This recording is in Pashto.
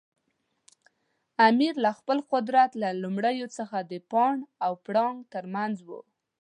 امیر له خپل قدرت له لومړیو څخه د پاڼ او پړانګ ترمنځ و.